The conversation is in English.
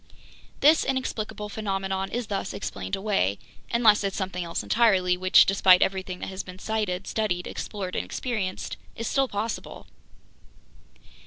"This inexplicable phenomenon is thus explained away—unless it's something else entirely, which, despite everything that has been sighted, studied, explored and experienced, is still possible!"